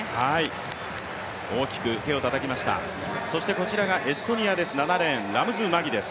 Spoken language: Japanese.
こちらがエストニアです、ラムズ・マギです。